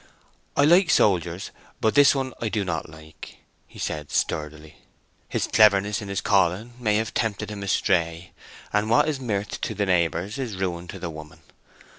"I like soldiers, but this one I do not like," he said, sturdily. "His cleverness in his calling may have tempted him astray, and what is mirth to the neighbours is ruin to the woman.